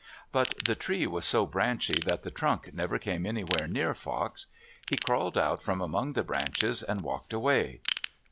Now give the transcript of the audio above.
But the tree was so branchy that the trunk never came anywhere near Fox. He crawled out from among the branches and walked away.